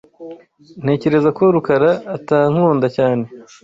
Ntekereza ko Rukara atankunda cyane.